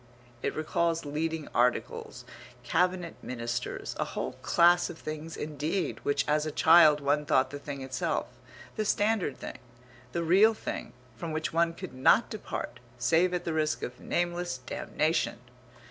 It recalls leading articles, cabinet ministers a whole class of things indeed which as a child one thought the thing itself, the standard thing, the real thing, from which one could not depart save at the risk of nameless damnation.